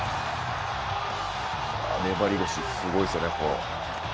粘りがすごいですよね。